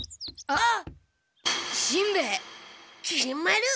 あっ！